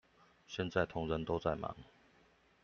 現在同仁都還在忙